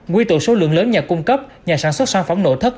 quy tụ số lượng lớn nhà cung cấp nhà sản xuất sản phẩm nổ thất